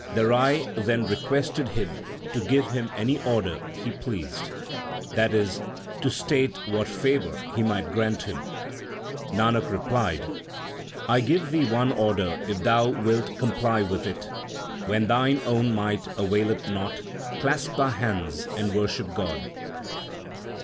The Rai then requested him to give him any order he pleased, that is, to state what favour he might grant him. Nanak replied : LIFE OF GURU NANAK 33 I give thee one order if thou wilt comply with it. When thine own might availeth not, clasp thy hands and worship God.